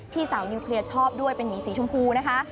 สาวนิวเคลียร์ชอบด้วยเป็นหมีสีชมพูนะคะ